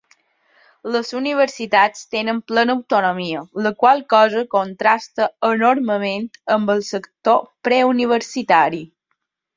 Les universitats tenen plena autonomia, la qual cosa contrasta enormement amb el sector preuniversitari.